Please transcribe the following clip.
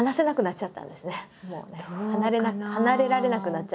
離れられなくなっちゃったというか。